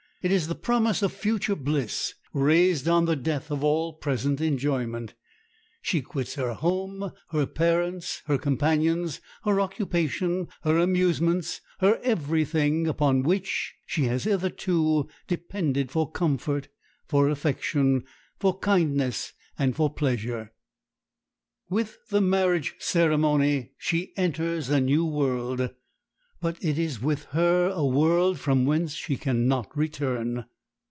It is the promise of future bliss, raised on the death of all present enjoyment. She quits her home, her parents, her companions, her occupation, her amusements, her every thing upon which she has hitherto depended for comfort, for affection, for kindness, for pleasure. With the marriage ceremony she enters a new world; but it is with her a world from whence she can not return.